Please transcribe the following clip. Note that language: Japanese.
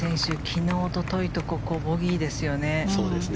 昨日、おとといとここ、ボギーですよね。